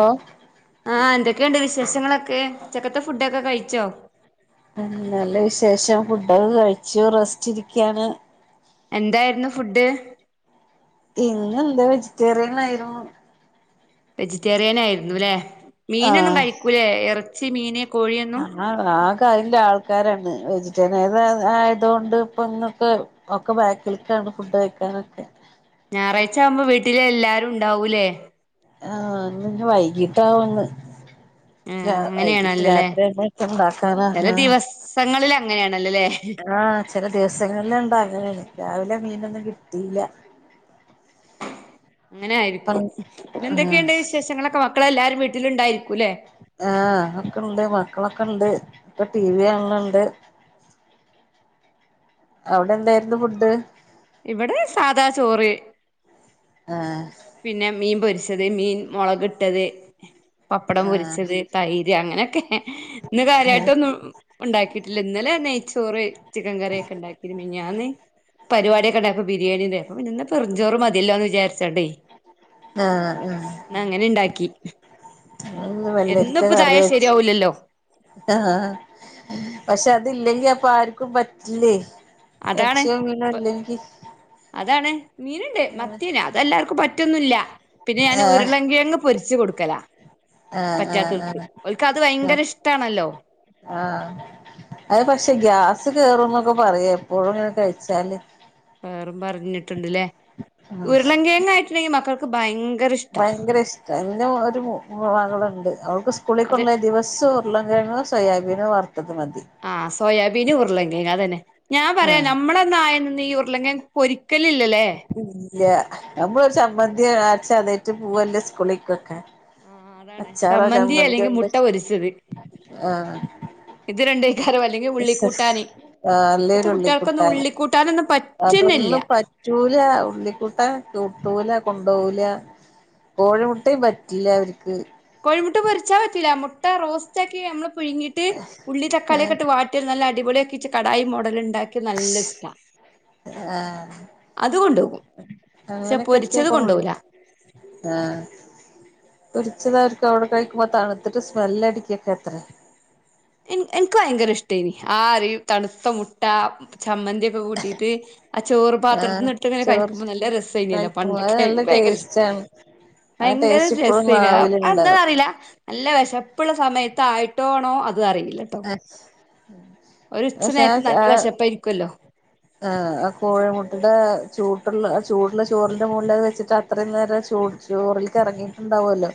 ഓ ക്കെയുണ്ട് വിശേഷങ്ങളൊക്കെ ഉച്ചക്കെത്തെ ഫുഡൊക്കെ കഴിച്ചോ? ഉം നല്ല വിശേഷം ഫുഡൊക്കെ കഴിച്ചു റസ്റ്റിരിക്കാണ് എന്തായിരുന്നു ഫുഡ് ഇന്നെന്താ വെജിറ്റേറിയൻ ആയിരുന്നു വെജിറ്റേറിയൻ ആയിരുന്നുല്ലെ മീനൊന്നും കഴിക്കൂലേ ഇറച്ചി മീന് കോഴിയൊന്നും ഞങ്ങളെ [unintelligible] ക്കെ അയ്ന്റെ ആൾക്കാരാണ് വെജിറ്റേറിയന് ആയതോണ്ട്പ്പൊ ഇന്നൊക്കെ ഒക്കെ ബാക്കിൽക്കാ ഇന്ന് ഫുഡ് കഴിക്കാനൊക്കെ ഞായറാഴ്ച ആവുമ്പോ വീട്ടില് എല്ലാരും ഉണ്ടാവൂലേ ആ ഇന്നിഞ്ഞ് വൈകിട്ടാവൂന്ന് ല്ല ആഹ് വൈകീട്ട് അങ്ങനെയാണല്ലോല്ലേ രാത്രിയൊക്കെ [unintelligible] ഇണ്ടാക്കാനാ ചില ആ ദിവസങ്ങളിൽ അങ്ങനെയാണല്ലോല്ലേ ആ ചെല ദിവസങ്ങള്ല്ല് ഇണ്ടങ്ങനെ രാവിലെ മീനൊന്നും കിട്ടിയില്ല അങ്ങനെ ഇപ്പം ആയിരിക്കും പിന്നെ ആഹ് എന്തൊക്കെയുണ്ട് വിശേഷങ്ങളൊക്കെ മക്കളെല്ലാരും വീട്ടിലുണ്ടായിരി ആ ഒക്കെണ്ട് മക്കളൊ ക്കണ്ട് ഇപ്പ ടി വി കാണണ് ഇണ്ട് അവിടെ എന്തായിരുന്നു ഫുഡ് ഇവിടെ സാദാ ചോറ് ആഹ് പിന്നെ മീൻ പൊരിച്ചത് മീൻ മുളകിട്ടത് പപ്പടം ആഹ് പൊരിച്ചത് തൈര് അങ്ങനെയൊക്കെ ഇന്ന് കാര്യമായിട്ടൊന്നും ഉണ്ടാക്കീട്ടില്ല ഇന്നലെ നെയ്ച്ചോറ് ചിക്കൻ കറിയൊക്കെ ഉണ്ടാക്കി മെനഞ്ഞാന്ന് പരിപാടി ക്കണ്ടേ അപ്പം ബിരിയാണീടെ അപ്പം പിന്നെ ഇന്ന് വെറുംഞ്ചോറ് മതില്ലോ എന്ന് വിചാരിച്ചോണ്ടേ ആഹ് ആഹ് ഇന്ന് അങ്ങനെ ഇണ്ടാക്കി ഇന്ന് വെള്ളരിക്ക കറി വെച്ച് ശരിയാവൂലല്ലോ ആഹ് പക്ഷെ അത് ഇല്ലെങ്കി അപ്പൊ ആർക്കും പറ്റില്ലേ അതാണ് എറച്ചിയോ മീനോ ഇപ്പം ഇല്ലെങ്കി അതാണ് മീനുണ്ട് മത്തിന് അതെല്ലാർക്കും പ പറ്റുന്നില്ല പിന്നെ ഞാൻ ആഹ് ഉരുളങ്കിഴങ്ങ് പൊരിച്ച് കൊടുക്കലാ ആഹ് ആഹ് പറ്റാത്തോൽക്ക് ആഹ് ഓൽക്ക് അത് ആഹ് ഭയങ്കര ഇഷ്ടാണല്ലോ ആഹ് അത് പക്ഷെ ഗ്യാസ് കേറുംന്നൊക്കെ പറയാ എപ്പോഴും ഇങ്ങനെ കഴിച്ചാല് വേറും പറഞ്ഞിട്ടുണ്ട്ല്ലേ ഉരുളങ്കിഴങ്ങ് ആയിട്ടുണ്ടെങ്കി മക്കൾക്ക് ഭയങ്ക ഭയങ്കര ഇഷ്ടം എന്റെ ഒരു മകളുണ്ട് അവൾക്ക് സ്കൂളി അത് കൊണ്ട് പോകാൻ ദിവസവും ഉരുളൻ കിഴങ്ങോ സോയാബീനോ വറ് ആഹ് സോയാബീനും ഉരുളങ്കിഴങ്ങും അത് തന്നെ ഞാൻ പറയാ ആഹ് നമ്മളന്ന് ആയെ നിന്ന് ഈ ഉരുളങ്കിഴങ്ങ് പൊരി ക്കില്ലില്ലല്ലേ ഇല്ല നമ്മളൊരു ചമ്മന്തി അരച്ചാ അതാട്ട് പൂവല്ലേ സ്കുളിക്കൊക്കെ ആഹ് അതാണ് ചമ്മന്തി അല്ലെങ്കിൽ ഉണ്ട് മുട്ട പൊരിച്ചത് ആഹ് ഇത് രണ്ട് കാണും അല്ലെങ്കിൽ ഉള്ളിക്കൂട്ടാന് ആഹ് ഇപ്പത്തെ അല്ലേരു കുട്ടികൾക്കൊന്നും ഉള്ളിക്കുട്ടാന് ഉള്ളിക്കൂട്ടാനൊന്നും പറ്റുന്നില്ല ചൂല ഉള്ളിക്കൂട്ടാൻ കൂട്ടൂല കൊണ്ടുപോകില്ല കോഴിമുട്ടയും പറ്റില്ല അവർക്ക് കോഴിമുട്ട പൊരിച്ചാ പറ്റില്ല മുട്ട റോസ്റ്റാക്കി നമ്മള് പുഴുങ്ങിട്ട് ഉള്ളി തക്കാളിയൊക്കെയിട്ട് വാട്ടി നല്ല അടിപൊളിയാക്കിച്ച് കടായി മോഡലുണ്ടാ അതൊക്കെ നല്ല ഇഷ്ടാ ആഹ് അത് കൊണ്ടോകും പക്ഷെ അങ്ങനൊക്കെ ആക്കിയ പൊരിച്ചത് ഇപ്പം കൊണ്ട് കൊണ്ടോവൂല പോന്നെ ആഹ് പൊരിച്ചതായിരിക്കും അവിടെ കഴിക്കുമ്പോ തണുത്തിട്ട് സ്മെല്ല് അടിക്കൊക്കെ അത്രേ എ എനിക്ക് ഭയങ്കര ഇഷ്ടേനി ആ അരി തണുത്ത മുട്ട ചമ്മന്തി ഒക്കെ കൂട്ടിയിട്ട് ആ ആഹ് ചോറ്പാത്രത്തീന്ന് എടുത്ത് ഇങ്ങനെ ചോറ് കഴിക്കുമ്പോൾ നല്ല രസമായിനേ പണ്ടൊക്കെ ഭയ ങ്കര ഇഷ്ടാണ് ഭയങ്കര രസഇല്ലേ അത് എന്താന്ന് അറിയില്ല നല്ല വിശ പ്പുള്ള സമയത്തായിട്ടു ആണോ അത് അറിയി ആഹ് ഒരു ഉച്ച നേരത്ത് നല്ല വിശപ്പായിരിക്കുവല്ലോ ആഹ് ആ കോഴിമുട്ടയുടെ ചൂട് ടുള്ള ചൂട്ടുള്ള ചൂടുള്ള ചോറിന്റെ മുകളിലിൽ അത് വെച്ചിട്ട് അത്രയും നേരം ചോ ചോറിലേക്ക് ഇറങ്ങിയിട്ടുണ്ടാവുവല്ലോ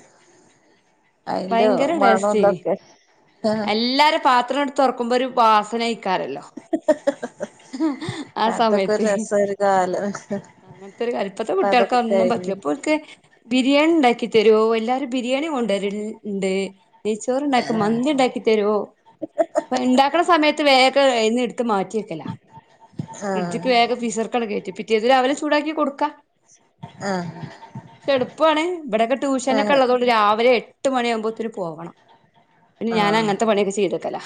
അതിന്റെ മണം ഇതൊക്കെ ആഹ് എല്ലാരും പാത്രം എടുത്ത് തൊറക്കുമ്പോ ഒരു വാസനെ ആയി ആ അതൊക്കെ ഒരു സമത്ത് രസം ഒരു കാലം അങ്ങനത്തെ ഒരു കാലം ഇപ്പത്തെ ഇപ്പൊ കുട്ടികൾക്ക് അതൊക്കെ ഒന്നും കഴിഞ്ഞു പറ്റില്ല ഇപ്പൊ അവക്ക് ബിരിയാണി ഉണ്ടാക്കി തരുവോ എല്ലാരും ബിരിയാണി കൊണ്ടുവരുണ്ട് നെയ്ച്ചോറ് ഉണ്ടാക്കും ആഹ് മന്തി ഉണ്ടാക്കി തരുവോ അപ്പൊ ഉണ്ടാക്കണ സമയത്ത് വേഗം എന്ന് എടു ത്ത് മാറ്റി വെക്കലാ ആഹ് ഫ്രിഡ്ജിക്ക് വേഗം ഫ്രീസർക്കങ്ങട് കേറ്റും പിറ്റേന്ന് രാവിലെ ചൂടാക്കി കൊടുക്കാം പക്ഷെ എളുപ്പമാണ് ഇവിടൊക്കെ ട്യൂഷനൊക്കെ ആഹ് ഉള്ളതോണ്ട് രാവിലെ എട്ട് മണിയാകുമ്പോത്തേന് പോവണം പിന്നെ ഞാൻ ആഹ് ആഹ് അങ്ങനത്തെ പണിയൊക്കെ ചെയ്ത് വെക്കലാ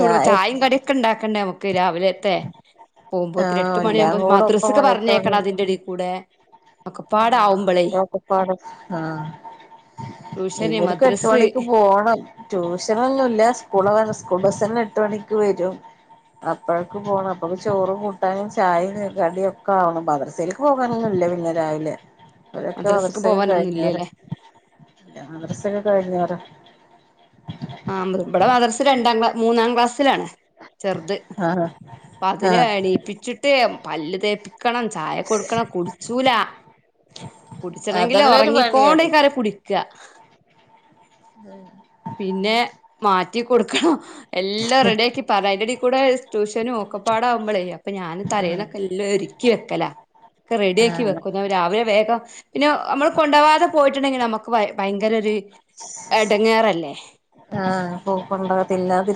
ഞാ ചായും കടിയൊക്കെ ഇണ്ടാക്കണ്ടേ നമുക്ക് രാവിലെത്തെ പോകുമ്പോ ഒത്തിരി ആഹ് എട്ട് എല്ലാം മണിയാുമ്പോ കൂടെ ഒപ്പം മദ്രസ്സൊക്കെ പറഞ്ഞേക്കണം അതിന്റെടി കൂടെ ആ ഒക്കെപ്പാടാവുമ്പളേ അപ്പക്കപ്പട ആ ട്യൂഷന് ഇവർക്ക് എട്ട് മദ്രസ് മണിക്ക് പോണം ട്യൂഷനൊന്നുല്ല സ്കൂള് കുബസല്ല എട്ട് മണിക്ക് വരും അപ്പോഴക്ക പോണം അപ്പൊക്ക് ചോറ് കൂട്ടാനും ചായയും കടിയൊക്കെ ആവണം മാത്രെസയിലക്ക് പോകാനൊന്നും ഇല്ല പിന്നെ രാവിലെ അവരൊക്കെ മദ്രസക്ക് മാദർസക്കെ പോവാനൊന്നും കഴിഞൊര ഇല്ലല്ലേ മാദർസാ കഴിഞ്ഞോരാ ആ മൃഗട മദർസ് രണ്ടാം ക്ലാ മൂന്നാം ക്ലാസിലാണ് ചെറുത് ആഹ് അപ്പ അതിനെ ആഹ് എണീപ്പിച്ചിട്ടേ പല്ല് തേപ്പി ക്കണം ചായ കൊടുക്കണം കുടിച്ചൂല കുടിച്ചണെങ്കില് അതെല്ലാം ഒരു പണിയാണ് ഉറങ്ങിക്കൊണ്ട കറി കുടിക്യാ ഉം പിന്നെ മാറ്റി കൊടുക്കണം എല്ലാം റെഡിയ ആക്കി അപ്പയിന്റെ അടി കൂടെ ട്യൂഷന് ക്കപ്പാടാവുമ്പോളേ അപ്പൊ ഞാൻ ആഹ് തലേൽന്നൊക്കെ എല്ലാം ഒരുക്കി വെക്കല ഒക്കെ റെഡിയാക്കി ആഹ് വെക്കും രാവിലെ വേഗം പിന്നെ നമ്മള് കൊണ്ടപാവാതെ പോയിട്ടുണ്ടെങ്കിൽ നമക്ക് ഭയങ്കര ഒരു ഇടങ്ങാറല്ലേ ഉ ആ പൂക്കണ്ട്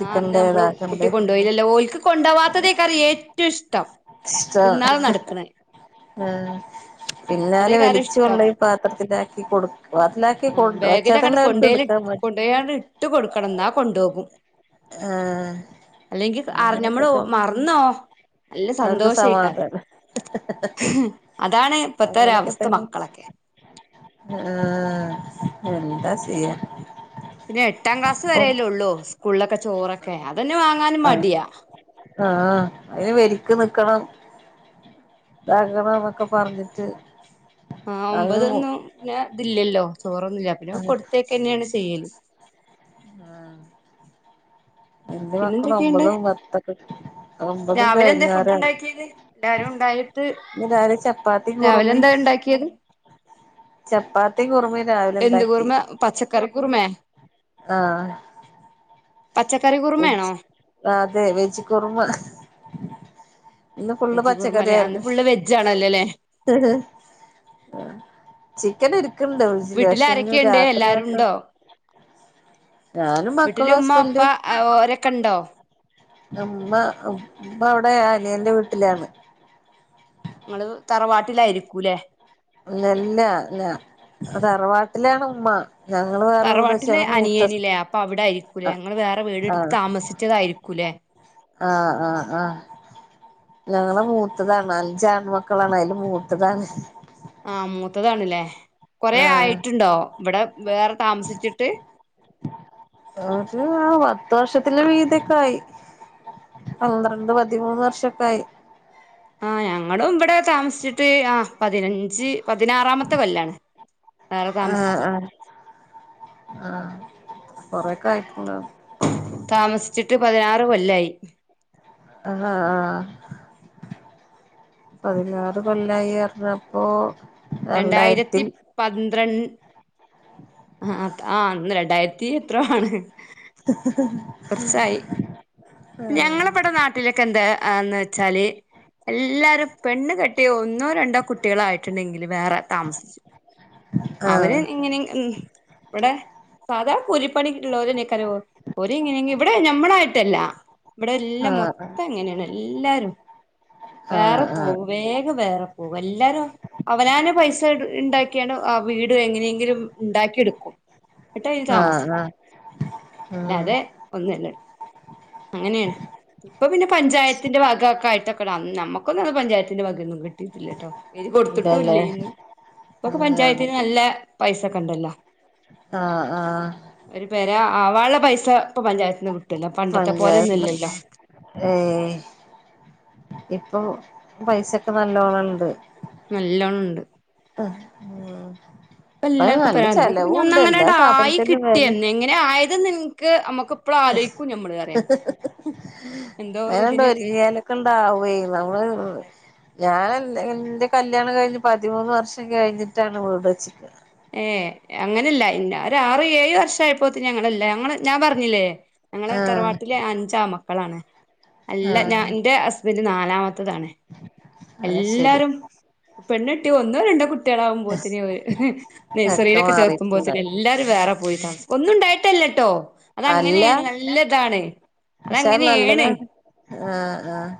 ആ അന്ന് നമ്മള് കുട്ടി വാക്കണ്ട് കൊണ്ടോയില്ലല്ലോ ഓൽക്ക് കൊണ്ടോവാത്തതേക്കാരം ഏറ്റവും ഇഷ്ടം ഇഷ്ട തിന്നാതെ നടക്ക്ണെ ആ പിന്നാലെ അതേക്കാരം വെലിച്ച ഇഷ്ടം കൊണ്ടോയി പാത്രത്തിലാക്കി കൊടുകാ പാത്രത്തിലാക്കി കൊണ്ട് വെച്ച അവിടൊള്ളോർ കൊടുക്കും അങ്ങോട്ട്‌ ഇവിടെയാനെ ഇട്ട് കൊടുക്കണം എന്നാ കൊണ്ടുപോകും ആഹ് അല്ലെങ്കി അർ അങ്ങനെയൊക്കെ ഞമ്മള് തന്നെ മറന്നോ നല്ല അവർക്ക് സന്തോഷയി കാണും സമാധാനം അതാണ് ഇപ്പത്തെ ഒരവസ്ഥ മക്കളൊക്കെ ആ എന്താ ചെയ പിന്നെ എട്ടാം ക്ലാസ് വരല്ലേ ഉള്ളൂ സ്കൂളിലൊക്കെ ചോറൊക്കെ അതന്നെ വാങ്ങാനും മടിയാ ആ അതിന് വെലിക്ക് നിക്കണം തകണം എന്നൊക്കെ പറഞ്ഞിട്ട് ആ അതിന് ഒമ്പതൊന്നും പിന്ന ഇതിലല്ലോ ചോറൊന്നുല്ല പിന്നെ ആഹ് കൊടുത്തൊക്കെ തന്നെയാണ് ചെയ്യല് ആ എന്ത് മക്കൾ ഒമ്പത് പിന്നെന്തൊക്കെയുണ്ട് പത്തൊക്കെ ഒമ്പതും രാവിലെ എന്താ ഫുഡ് കഴിഞ്ഞോരാ ഉണ്ടാക്കിയത് എല്ലാരും ഉണ്ടായിട്ട് ഇന്ന് രാവിലെ ചപ്പാത്തിയും രാവിലെ എന്താ ഉണ്ടാക്കിയത് ചപ്പാത്തി കുറുമി രാവിലെ ഉണ്ടാക്കി കർക്കൂർമേ ആ പച്ചക്കറി വേജ് കുറുമയാണോ അതെ വെജ് കുറുമാ ഇന്ന് ഫുള്ള് വെജ് പച്ചക്കറി കുറുമല്ലേ അന്ന് ആയിരുന്നു ഫുള്ള് വെജ് ആണല്ലോല്ലേ ചിക്കൻ ഇരിക്കണ്ട് ഫ്രീചില് വീട്ടിൽ പക്ഷെങ്ക ആരൊക്കെയുണ്ട് രാത്രി എല്ലാരും ഉണ്ടോ ആക്കൊണ്ട് ഞാനും മക്കളും ഹസ്ബൻഡും വേക്കണ്ടോ അമ്മ അമ്മ അവിടെ അനിയന്റെ വീട്ടിലാണ് നിങ്ങള് തറവാട്ടിലായിരിക്കൂല്ലേ ല്ല ല്ലാ ലാ അത് അറവാട്ടിലാണ് ഉമ്മ ഞങ്ങള് വേറെ വീട് വെച്ച് തറവാട്ടിലെ ഞങ്ങള് മൂത്ത അനിയനില്ലേ അപ്പൊ അവിടെ ആയിരിക്കൂലേ ആഹ് നിങ്ങള് വേറെ വീടെടുത്ത് താമസിച്ചതായിരിക്കൂല്ലേ ആ ആ ആ ഞങ്ങള മൂത്തതാണ് അചാൺ മക്കളാണ് അതില് മൂത്തതാണ് ആ മൂത്തതണല്ലേ കൊറെ ആഹ് ആയിട്ടുണ്ടോ ഇവിടെ വേറെ താമസിച്ചിട്ട് ഒരു പത്ത് വർഷത്തിന് മീതെക്കെ ആയി പന്ത്രണ്ട് പതിമൂന്ന് വർഷൊക്കെ ആയി ആഹ് ഞങ്ങളും ഇവിടെ താമസിച്ചിട്ട് ആഹ് പതിനഞ്ച് പതിനാറാമത്തെ കൊല്ലാണ് വേറെ ആഹ് താമസിച്ചി ആഹ് ആഹ് കൊറേക്കെ ആയിട്ടുണ്ട് താമസിച്ചിട്ട് പതിനാറ് കൊല്ലായി. ആഹ് പതിനാറ് കൊല്ലായി അറിഞ്ഞപ്പോ രണ്ടായിരത്തി പന്ത്ര ആഹ് ആഹ് രണ്ടായിരത്തി എത്രോ ആണ്. ഞങ്ങളിവിടെ നാട്ടിലൊക്കെ എന്താന്ന് വെച്ചാല് എല്ലാരും പെണ്ണ് കെ ട്ടിയോ ഒന്നോ രണ്ടോ കുട്ടികളായിട്ടെണ്ടെങ്കില് വേറെ താമസിക്കും. അവര് ആഹ് എങ്ങനെ ഉം ഇവിടെ സാധാ കൂലിപ്പണി ഇള്ളോര് നിക്കരോ ഓരെ എങ്ങനെയെങ്കിലും ഇവിടെ ഞമ്മളായിട്ടല്ല. ഇവിടെ എല്ലാം ആഹ് മൊത്തം അങ്ങനേണ് എല്ലാരും. ആഹ് വേറെ ആഹ് പോകും വേഗം വേറെ പോകും എല്ലാരും അവനാന പൈസട് ഇണ്ടാ ക്കിയാണ് ആ വീട് എങ്ങനെയെങ്കിലും ഇണ്ടാക്കി എടുക്കും. എന്നിട്ടയില് ആഹ് താമസിക്കും. ആഹ് ഉം അല്ലാതെ ഒന്നുവില്ല അങ്ങനേണ്. ഇപ്പ പിന്നെ പഞ്ചായത്തിന്റെ ഭാഗോക്കെ ആയിട്ടൊക്കെ വന്ന് നമ്മുക്കൊന്നും പഞ്ചായത്തിന്റെ ഭാഗോന്നും കിട്ടിട്ടില്ല കേട്ടോ. ഇത് കൊടുത്തിട്ടു ഇല്ലല്ലേ ഇല്ലേയ്ന്നു ഇപ്പൊക്കെ ആഹ് പഞ്ചായത്തീന്ന് നല്ല പൈസെക്കെ എണ്ടല്ല. ആഹ് ആഹ് പെരാ ആവാള്ള പൈസ ഇപ്പം പഞ്ചായത്ത്ന്ന് കിട്ടുല്ലേ പണ്ടത്തെ പോലെ പഞ്ചായത്ത്ന്ന് ഒന്നുമില്ലല്ലോ ഏഹ് ഇപ്പം പൈസൊക്കെ നല്ലോണം ഇണ്ട് നല്ലോണം ഇണ്ട് ആഹ് അപ്പൊ എല്ലാർക്കും പെര അന്ന് ഒക്കെ പിന്നെ ഒന്ന് അങ്ങനെണ്ട് സാധനത്തിനും വെല ആയികിട്ടിന്ന് എങ്ങനെ ആയത് ന്ന്ഇൻക്ക് അമ്മക്ക് എന്തോ അങ്ങന്നെണ്ട് ഒരിതിന് ഒരിങ്ങിലെക്കെ ഇണ്ടാവേയ് നമ്മള് ഞാൻ ഇന്റെ കല്യാണം കഴിഞ്ഞ് പതിമൂന്ന് വർഷം കഴിഞ്ഞിട്ടാണ് വീട് വച്ചുക്കാ ഏഹ് അങ്ങനെല്ല ഇന്നെ ഒര് ആറ് ഏഴ് വർഷം ആയപ്പോ ഞങ്ങളല്ല ഞങ്ങള് ഞാൻ പറഞ്ഞില്ലേ ഞങ്ങളെ ആഹ് തറവാട്ടിലെ അഞ്ച് ആമക്കളാണ് അല്ല ഞാൻ ആഹ് ഇന്റെ ഹസ്ബൻഡ് ഇത് നാലാമത്തതാണ് അഹ് ശരി എല്ലാരും പെണ്ണെട്ടി ഒന്നോ രണ്ടോ കുട്ടി ട്ടിളാവുമ്പോത്ത്നേ ഒക്കെ നഴ്സറിയിലൊക്കെ ചേർത്തുമ്പോത്ത്ന്ന് മാറിയിട്ടുണ്ടാവും എല്ലാരും വേറെ പോയിട്ടാണ് ഒന്നും ഉണ്ടായിട്ടല്ലട്ടോ അതങ്ങനെയാണ് നല്ല ഇതാണ് മാഷാ അള്ളാ നല്ലതാണ് ആഹ് ആഹ്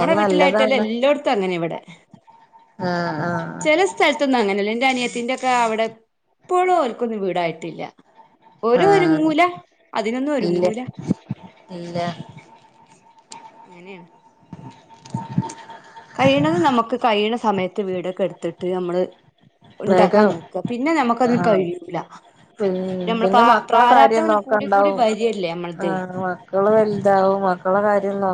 അത് വീട്ടിലായിട്ടല്ല നല്ലതാണ് എല്ലോടുത്തും അങ്ങനെ ഇവിടെ ആഹ് ആഹ് ചെലെ സ്ഥലത്തൊന്നും അങ്ങനെ അല്ല എന്റെ അനിയത്തിന്റെ ഒക്കെ അവിടെ ഇപ്പോളും ഓൽക്കെന്നും വീടായിട്ടില്ല ഓര് ആഹ് ഒരുങ്ങൂല അതിനൊന്നും ഇല്ല ഒരുങ്ങൂല ഇല്ല അങ്ങനെയാണ് കഴിയണത് നമുക്ക് കഴിയണ സമയത്ത് വീടൊക്കെ എടുത്തിട്ട് നമ്മള് ഉണ്ടാക്കാൻ വേഗം നോക്ക പിന്നെ നമുക്കതിന് കഴിയൂല പി നമ്മള് പ പിന്നെ മക്കളെ പ്രാരാബ്ധം കാര്യം അങ്ങനെ കൂടി കൂടി നോക്കണ്ടാവും വരികല്ലേ ആ നമ്മളത് മക്കള് വലുതാവും മക്കളെ കാര്യം നോ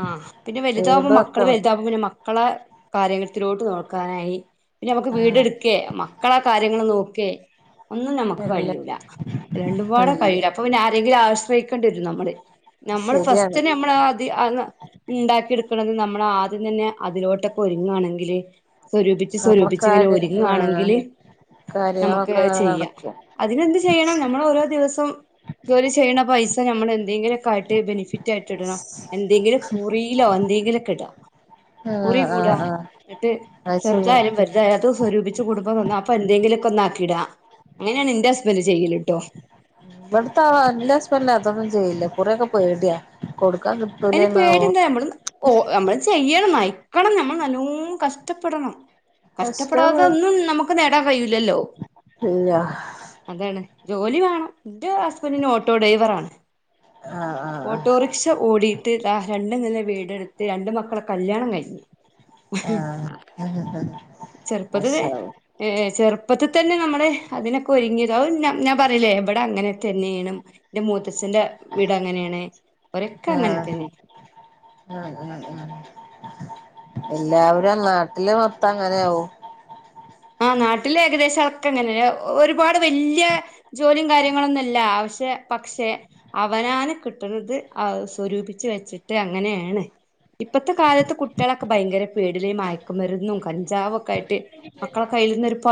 ആഹ് പിന്നെ വലുതാമ്പോ മക്കള് വെക്കണം വലുതാവ്പ പിന്നെ മക്കളെ കാര്യങ്ങളത്തിലോട്ട് നോക്കാനായി പിന്നെ നമുക്ക് വീട് ആഹ് എടുക്കേ മക്കളാ കാര്യങ്ങൾ നോ കെ ഒന്നും നമക്ക് ഇല്ല കഴിയൂല രണ്ടുംപാട ഇല്ല കഴൂല അപ്പൊ പിന്നെ ആരെങ്കിലും ആശ്രയി കണ്ടിരുന്നു നമ്മള് നമ്മള് ശരിയാണ് ഫസ്റ്റ് നമ്മള് അത്. ആണ് ഉണ്ടാക്കി എടുക്കണത് നമ്മള് ആദ്യം തന്നെ അതിലോട്ടൊക്കെ ഒരുങ്ങുകയാണെങ്കില്. ഒരൂപിച്ച് സ്വരൂപിച്ച് ഇങ്ങനെ നമ്മൾക്കാര് ആഹ് ഒരുങ്ങുവാണെങ്കില്. നമുക്ക് കാര്യങ്ങളൊക്കെ അങ്ങനെ ചെയ്യാം നടക്കും അതിനെന്ത് ചെയ്യണം നമ്മൾ ഓരോ ദിവസം. ജോലി ചെയ്യണ പൈസ നമ്മൾ എന്തെങ്കിലുമൊക്കെ ആയിട്ട് ബെനിഫിറ്റ് ആയിട്ട് ഇടണം. എന്തെങ്കിലും കുറിയിലോ എന്തെങ്കിലൊക്കെടാ. ആഹ് കുറി കൂടാ ആഹ് ആഹ് എന്നിട്ട് അത് ശരിയാ ചെറുതായാലും വലുതായും അത് സ്വരൂപിച്ച് കൂടുമ്പോ തന്നെ അപ്പൊ എന്തെ എന്തിനൊക്കെ ഒന്നാക്കിടാ അങ്ങനെയാണ് ഇന്റെ ഹസ്ബൻഡ് ചെയ്യലിട്ടോ. ഇവിടത്തെ എന്റെ ഹുസ്ബൻഡ് അതൊന്നും ചെയ്യില്ല കുറിയൊക്കെ പേടിയാ കൊടു എന്ന പേടിയെന്താ നമ്മള് നമ്മള് ചെയ്യണം നയിക്കണം നമ്മൾ നല്ലോ അങ്ങ് കഷ്ടപ്പെടണം കഷ്ടപ്പെടാതെ ഒന്നും നമുക്ക് നേടാൻ. കഴയില്ലല്ലോ ഇല്ല അതാണ് ജോലി വേണം. എന്റെ ഹസ്ബന്റിന് ഓട്ടോ ഡ്രൈവറാണ് ആഹ് ആഹ് ഓട്ടോറിക്ഷ ഓടിക്കുന്നു. രണ്ടുനില വീടെടുത്ത് രണ്ട് മക്കളെ കല്യാണം കഴിഞ്ഞു. ആഹ് ആഹ് ആഹ് ചെറുപ്പത്തിയിലെ ആഹ് ഏഹ് ചെറുപ്പത്തെ. ത്തെ തന്നെ നമ്മടെ അതിനൊക്കെ ഒരുങ്ങിയത് ഞാൻ പറയില്ലേ ഇവിടെ അങ്ങനെ തന്നെ ചെയ്യണം ബു ത്തസിന്റെ വീട് അങ്ങനെയാണ് ഒരൊക്കെ അങ്ങനെ. തന്നെ ഉം ഉം ഉം എല്ലാവരും നാട്ടില് മൊത്തം അങ്ങനെ ആവും. ആ നാട്ടില് ഏകദേശം ഒക്കെ അങ്ങനെ ഒരുപാട് വലിയ ജോലിയും കാര്യങ്ങളൊന്നുല്ല പക്ഷെ പ പക്ഷെ അവനാന കിട്ടുന്നത് ആ സ്വരൂപിച്ച് വെച്ചിട്ട് അങ്ങനെയാണ്. ഇപ്പത്തെ കാലത്ത് കുട്ടികളൊക്കെ ഭയങ്കര പേടില് മയക്കുമരുന്നും കഞ്ചാവും ഒക്കെ ആയിട്ട്. മക്കളെ കയ്യിൽ നിന്ന് ഒരു പ